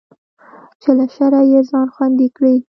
چې له شره يې ځان خوندي کړي.